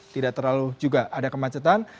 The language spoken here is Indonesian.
tidak terlalu juga ada kemacetan